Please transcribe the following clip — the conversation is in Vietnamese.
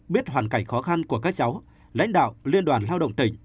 biết hoàn cảnh khó khăn của các cháu lãnh đạo liên đoàn lao động tỉnh